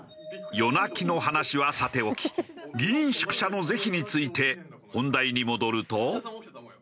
夜泣きの話はさておき議員宿舎の是非について本題に戻ると。